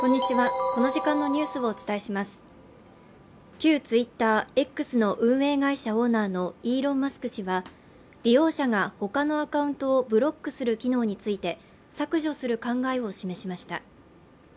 旧ＴｗｉｔｔｅｒのＸの運営会社のイーロン・マスク氏は利用者が他のアカウントをブロックする機能について削除する考えを示しました。